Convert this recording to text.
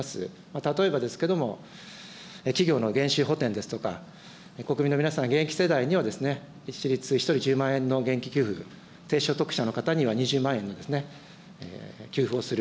例えば、企業の減収補填ですとか、国民の皆さん、現役世代には、一律１人１０万円の現金給付、低所得者の方には２０万円の給付をする。